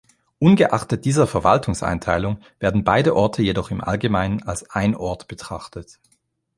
Ungeachtet dieser Verwaltungseinteilung werden beide Orte jedoch im Allgemeinen als ein Ort betrachtet.